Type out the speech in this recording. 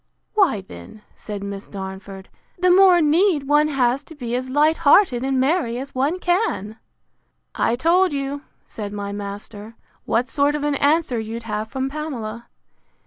Why, then, said Miss Darnford, the more need one has to be as light hearted and merry as one can. I told you, said my master, what sort of an answer you'd have from Pamela.